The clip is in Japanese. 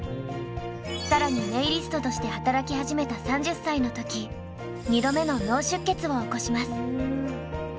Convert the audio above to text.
更にネイリストとして働き始めた３０歳の時２度目の脳出血を起こします。